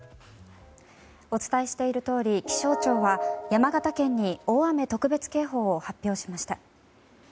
お伝えしているとおり気象庁は山形県に大雨特別警報を発表しました。